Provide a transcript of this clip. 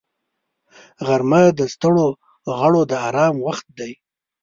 غرمه د ستړو غړو د آرام وخت دی